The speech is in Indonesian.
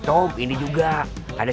amin ya allah